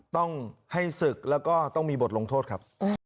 ต้องให้ศึกแล้วก็ต้องมีบทลงโทษครับ